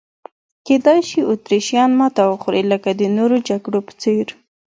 کېدای شي اتریشیان ماته وخوري لکه د نورو جګړو په څېر.